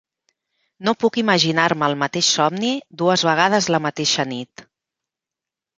No puc imaginar-me el mateix somni dues vegades la mateixa nit.